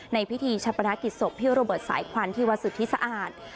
ในพิธีชะปนากิจศพพี่โรเบิร์ตสายควันที่วัดสุทธิสะอาด